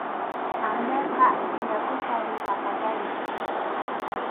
Anyayqa phiñakuspa rimapayaymi.